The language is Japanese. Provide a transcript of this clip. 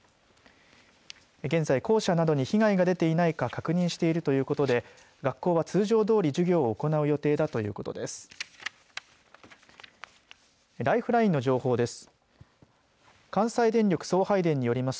現在、校舎などに被害が出ていないか確認しているということで学校は通常どおり授業を行う予定だということです。